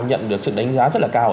nhận được sự đánh giá rất là cao